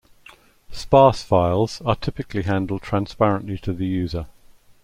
Sparse files are typically handled transparently to the user.